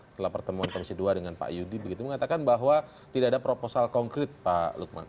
setelah pertemuan komisi dua dengan pak yudi begitu mengatakan bahwa tidak ada proposal konkret pak lukman